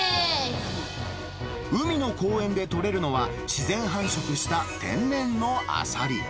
海の公園で取れるのは、自然繁殖した天然のアサリ。